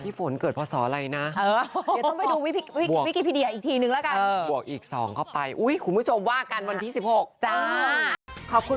พี่โฟนเกิดเพราะสออะไรนะเดี๋ยวต้องไปดูวิกีพีเดียอีกทีนึงแล้วกัน